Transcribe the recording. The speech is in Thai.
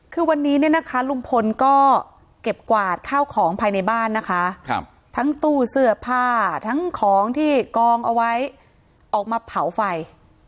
คือวันนี้เนี่ยนะคะลุงพลก็เก็บกวาดข้าวของภายในบ้านนะคะทั้งตู้เสื้อผ้าทั้งของที่กองเอาไว้ออกมาเผาไฟ